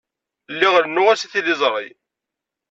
Lliɣ rennuɣ-as i tliẓri.